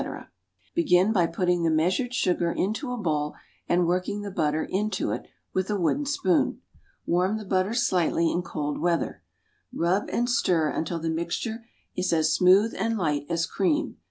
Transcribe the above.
Begin by putting the measured sugar into a bowl, and working the butter into it with a wooden spoon. Warm the butter slightly in cold weather. Rub and stir until the mixture is as smooth and light, as cream.